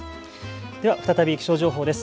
では再び気象情報です。